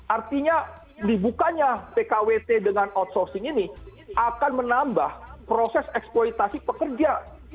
artinya dibukanya pkwt dengan outsourcing ini akan menambah proses eksploitasi pekerja